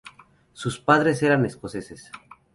Sus padres eran escoceses.